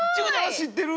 知ってる。